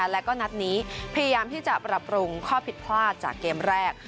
แล้วก็นัดนี้พยายามที่จะปรับปรุงข้อผิดพลาดจากเกมแรก